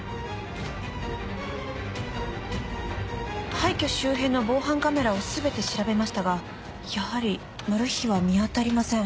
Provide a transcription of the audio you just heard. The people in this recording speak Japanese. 廃虚周辺の防犯カメラを全て調べましたがやはりマルヒは見当たりません。